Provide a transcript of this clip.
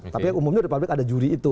tapi umumnya di publik ada juri itu